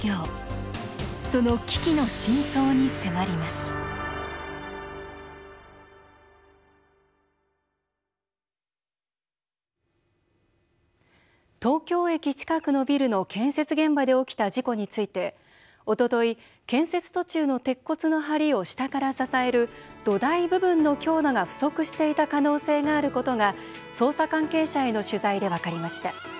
その危機の深層に迫ります東京駅近くのビルの建設現場で起きた事故についておととい、建設途中の鉄骨のはりを下から支える土台部分の強度が不足していた可能性があることが捜査関係者への取材で分かりました。